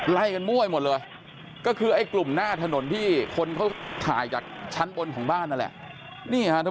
ไล่กันมั่วยหมดเลยก็คือไอ้กลุ่มหน้าถนนที่คนเขาถ่ายจากชั้นบนของบ้านนั่นแหละ